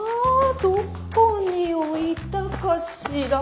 どこに置いたかしら？